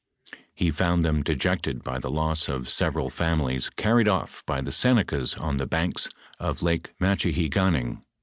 He found them dejected by the loss of several families carried off by the Senecas on the banks of Lake Machihiganing (our #► Rel, 1666 67, p.